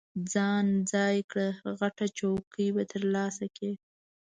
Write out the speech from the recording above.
ځان ځای کړه، غټه چوکۍ به ترلاسه کړې.